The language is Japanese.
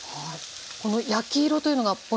この焼き色というのがポイントですか？